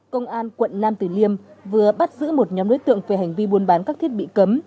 công an quận nam tử liêm vừa bắt giữ một nhóm đối tượng về hành vi buôn bán các thiết bị cấm